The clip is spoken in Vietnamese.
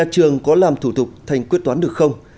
cần có làm thủ tục thành quyết toán được không